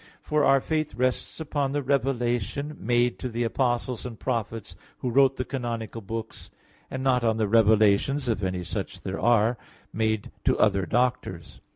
For our faith rests upon the revelation made to the apostles and prophets who wrote the canonical books, and not on the revelations (if any such there are) made to other doctors.